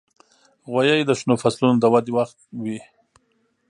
غویی د شنو فصلونو د ودې وخت وي.